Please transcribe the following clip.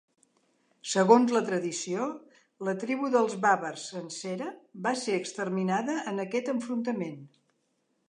Segons la tradició, la tribu dels bàvars sencera va ser exterminada en aquest enfrontament.